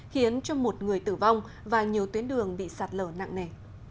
khiến cho một người tử vong và nhiều tuyến đường bị sạt lở nặng nề